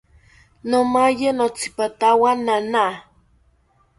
Nomaye notzipatawo nana